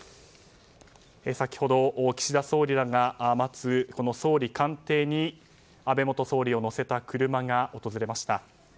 先ほど、岸田総理らが待つ総理官邸に安倍元総理を乗せた車が訪れました。